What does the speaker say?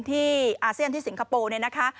อาเซียนที่สิงคโปร์เนี่ยนะคะ